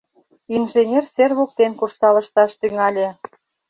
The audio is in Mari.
Инженер сер воктен куржталышташ тӱҥале.